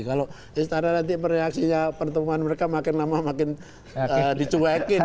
kalau istana nanti mereaksinya pertemuan mereka makin lama makin dicuekin